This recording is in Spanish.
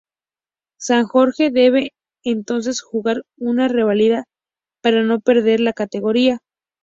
San Jorge debe, entonces, jugar una revalida para no perder la categoría.